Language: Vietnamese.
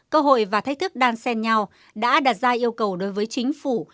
cơ hội và thách thức đan sen nhau đã đặt ra yêu cầu đối với chính phủ